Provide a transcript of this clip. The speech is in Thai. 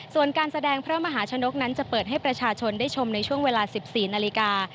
ส่วนการแสดงพระมหาชนกนั้นจะเปิดให้ประชาชนได้ชมในช่วงเวลา๑๔นาฬิกา